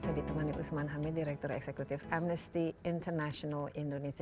saya ditemani usman hamid direktur eksekutif amnesty international indonesia